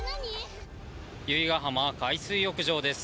由比ガ浜海水浴場です。